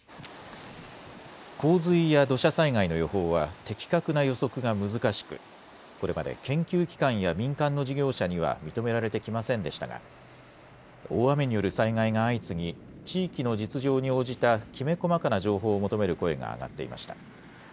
洪水や土砂災害の予報は的確な予測が難しくこれまで研究機関や民間の事業者には認められてきませんでしたが大雨による災害が相次ぎ地域の実情に応じたきめ細かな情報を求める声が上がっていました。